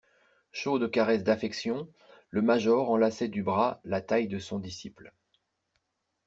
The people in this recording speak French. Chaude caresse d'affection, le major enlaçait du bras la taille de son disciple.